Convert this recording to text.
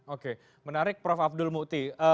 oke menarik prof abdul mukti